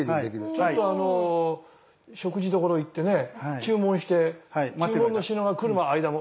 ちょっと食事どころ行ってね注文して注文の品が来る間も。